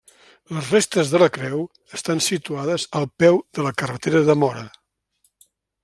Les restes de la creu estan situades al peu de la carretera de Móra.